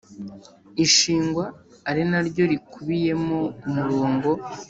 ishingwa arinaryo nikubiyemo umurongo